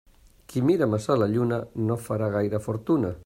Qui mira massa la lluna no farà gaire fortuna.